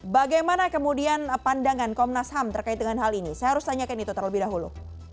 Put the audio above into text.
bagaimana kemudian pandangan komnas ham terkait dengan hal ini saya harus tanyakan itu terlebih dahulu